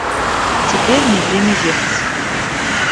Теперь мне время ехать.